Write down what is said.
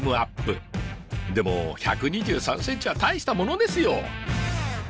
でも１２３ｃｍは大したものですよ！